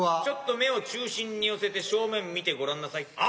ちょっと目を中心に寄せて正面見てごらんなさい。